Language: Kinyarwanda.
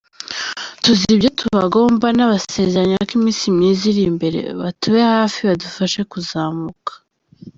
Tuzi ibyo tubagomba, nabasezeranya ko iminsi myiza iri imbere, batube hafi badufashe kuzamuka.